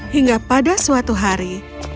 hingga pada suatu hari